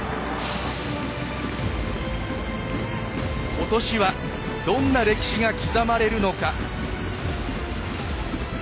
今年はどんな歴史が刻まれるのか。